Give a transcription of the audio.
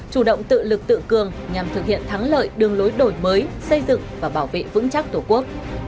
chủ động tự lực tự cường nhằm thực hiện thắng lợi đường lối đổi mới xây dựng và bảo vệ vững chắc tổ quốc